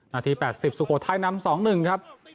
นาที๘๐สุโขทัยนำ๒๑ครับ